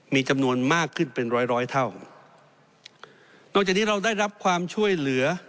มีจำนวนมากขึ้นเป็นร้อยร้อยเท่านอกจากนี้เราได้รับความช่วยเหลือ